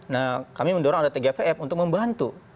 nah kami mendorong ada tgpf untuk membantu